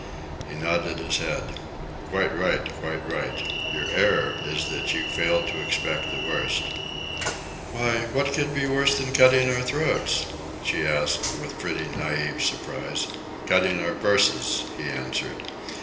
He nodded his head. "Quite right, quite right. Your error is that you failed to expect the worst." "Why, what can be worse than cutting our throats?" she asked, with pretty naïve surprise. "Cutting our purses," he answered.